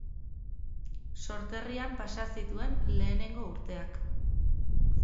Sorterrian pasa zituen lehenengo urteak.